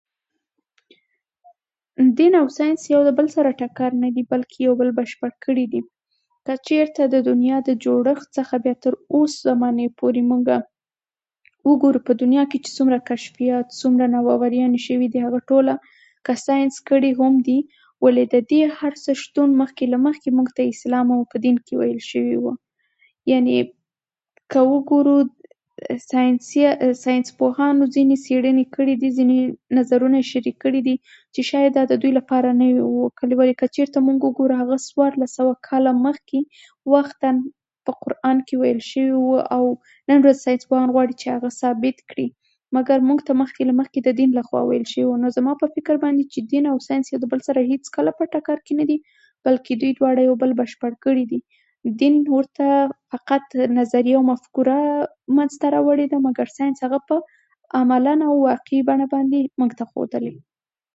دين او ساينس له يو بل سره ټکر نه دي، بلکي يو بل بشپړ کړي دي. که چېرته د دنيا د جوړښت څخه بيا تر اوس زمانې پوري مونږ وګورو، په دنيا کي څومره کشفيات، څومره نوآوريانۍ شوي دي، هغه ټوله که ساينس کړي هم دي، ولي د دې هر څه شتون مخکي له مخکي موږ ته اسلام او په دين کي ويل شوي و. يعني که وګورو، ساينس dis ساينسي پوهانو ځيني څېړني کړي دي، ځيني نظرونه يي شريک کړي دي، چي شايد دا د دوی لپاره inc که چېري مونږ ګورو، هغه څوارلس کاله مخکي وختن په قرآن کي ويل شوي و او نن ورځ ساينس پوهان غواړي هغه ثابت کړي، مګر موږ ته له مخکي تر مخکي د دين لخوا ويل شوي و. نو زما په فکر باندي چي دين او ساينس يو له بل سره هيڅکله په ټکر کي نه دي، بلکي دوی دواړه يو بل بشپړ کړي دي. دين ورته فقط نظريه او مفکوره dis منځته راوړي ده، مګر ساينس هغه په عملن او واقعي بڼه موږ ته ښودلي.